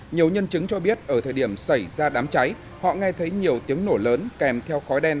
nhiều nhân chứng cho biết ở thời điểm xảy ra đám cháy họ nghe thấy nhiều tiếng nổ lớn kèm theo khói đen